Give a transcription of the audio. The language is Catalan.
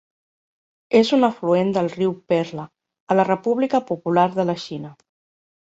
És un afluent del riu Perla a la República Popular de la Xina.